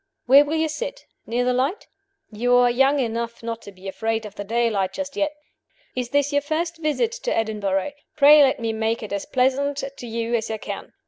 Where will you sit? Near the light? You are young enough not to be afraid of the daylight just yet. Is this your first visit to Edinburgh? Pray let me make it as pleasant to you as I can.